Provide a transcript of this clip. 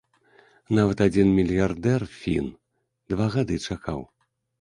Нават адзін мільярдэр, фін, два гады чакаў.